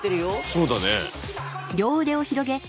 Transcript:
そうだね。